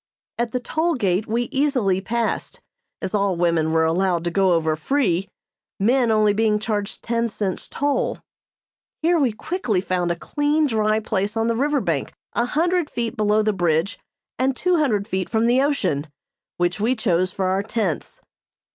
At the toll gate we easily passed, as all women were allowed to go over free, men only being charged ten cents toll. Here we quickly found a clean, dry place on the river bank a hundred feet below the bridge and two hundred feet from the ocean, which we chose for our tents.